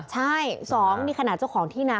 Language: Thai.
ใช่๒นี่ขนาดเจ้าของที่นา